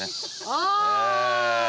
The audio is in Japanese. ああ！